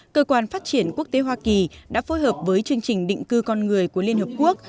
cơ quan phát triển quốc tế hoa kỳ đã phối hợp với chương trình định cư con người của liên hợp quốc